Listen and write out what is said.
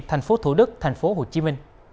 tp thủ đức tp hcm